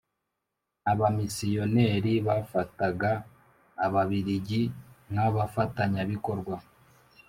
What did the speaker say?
Abamisiyoneri bafataga ababirigi nk abafatanyabikorwa